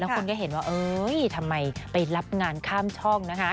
เพราะคนก็เห็นว่าเอือเต้มมัยไปรับงานข้ามช่องนะฮะ